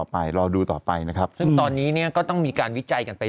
ไปรอดูต่อไปนะครับซึ่งตอนนี้เนี่ยก็ต้องมีการวิจัยกันไป